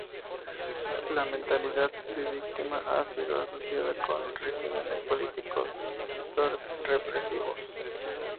La mentalidad de víctima ha sido asociada con regímenes políticos represivos.